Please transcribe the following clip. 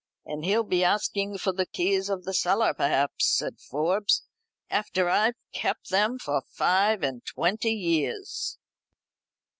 "And he'll be asking for the keys of the cellars, perhaps," said Forbes, "after I've kept them for five and twenty years."